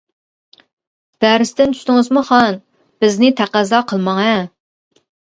دەرستىن چۈشتىڭىزمۇ خان؟ بىزنى تەقەززا قىلماڭە.